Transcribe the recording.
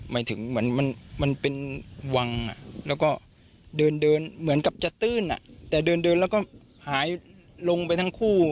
หมายถึงเหมือนมันเป็นวังแล้วก็เดินเดินเหมือนกับจะตื้นแต่เดินแล้วก็หายลงไปทั้งคู่